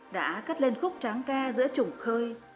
đã cất lên khúc tráng ca giữa trùng khơi